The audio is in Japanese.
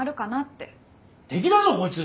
敵だぞこいつ！